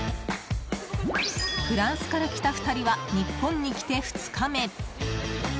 フランスから来た２人は日本に来て２日目。